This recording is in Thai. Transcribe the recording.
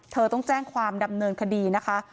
เธอต้องแจ้งความดำเนินคดีนะคะ